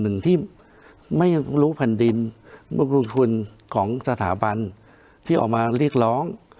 หนึ่งที่ไม่รู้พันธุ์ดินบุคลุคุณของสถาบันที่ออกมาเรียกร้อง